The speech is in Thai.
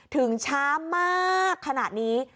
ถึงช้ามากขนาดนี้